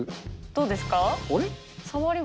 どうですか？